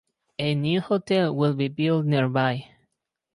A new hotel will be built nearby.